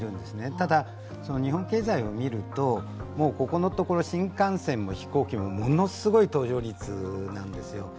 ただ、日本経済を見ると、ここのところ新幹線も飛行機もものすごい搭乗率なんですよ。